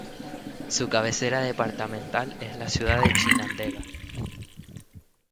Su cabecera departamental es la ciudad de Chinandega.